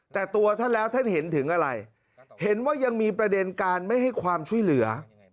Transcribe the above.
แต่ตัวท่านแล้วท่านเห็นถึงอะไรเห็นว่ายังมีประเด็นการไม่ให้ความช่วยเหลือ